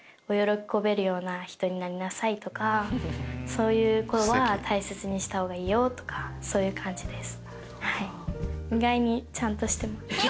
「そういうことは大切にした方がいいよ」とかそういう感じです。